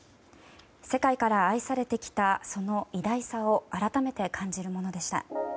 世界から愛されてきたその偉大さを改めて感じるものでした。